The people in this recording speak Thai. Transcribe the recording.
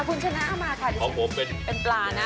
คุณชนะเอามาค่ะของผมเป็นปลานะ